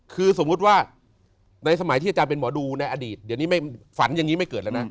คือสมมุติว่าในสมัยที่อาจารย์เป็นหมอดูในอดีตเดี๋ยวนี้ไม่ฝันอย่างนี้ไม่เกิดแล้วนะ